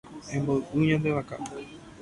Emboy'u ñande vaka.